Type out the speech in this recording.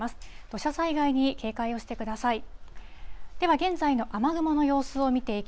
土砂災害に警戒をしてください。